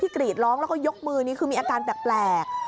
กรีดร้องแล้วก็ยกมือนี้คือมีอาการแปลก